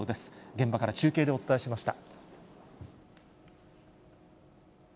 現場から中継でお伝えしました。